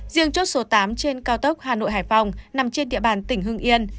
riêng chốt số tám trên cao tốc hà nội hải phòng nằm trên địa bàn tỉnh hưng yên